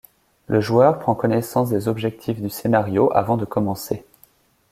Le joueur prend connaissance des objectifs du scénario avant de commencer.